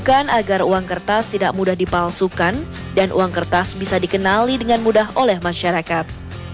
dan agar uang kertas tidak mudah dipalsukan dan uang kertas bisa dikenali dengan mudah oleh masyarakat